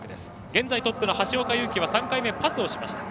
現在トップの橋岡優輝３回目、パスをしました。